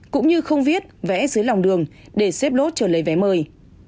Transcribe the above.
cũng như không viết vẽ dưới lòng đường để xếp lốt chờ lấy vé mời